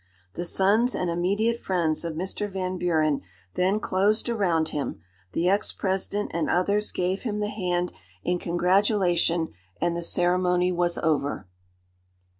The sons and immediate friends of Mr. Van Buren then closed around him, the ex President and others gave him the hand in congratulation, and the ceremony was over."